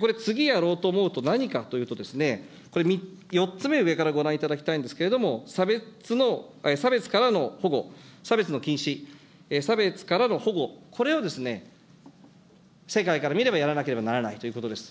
これ、次やろうと思うと何かというと、これ、４つ目上からご覧いただきたいんですけれども、差別からの保護、差別の禁止、差別からの保護、これは世界から見ればやらなければならないということです。